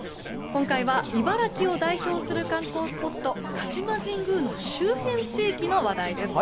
今回は茨城を代表する観光スポット鹿島神宮の周辺地域の話題です。